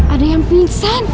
ada yang niesan